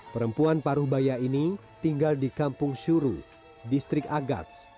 perempuan paruh baya ini tinggal di kampung syuru distrik agats